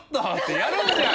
やるんじゃん！